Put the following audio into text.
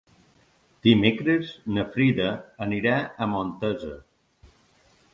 Dimecres na Frida anirà a Montesa.